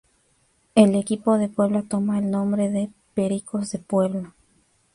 El equipo de Puebla toma el nombre de "Pericos de Puebla".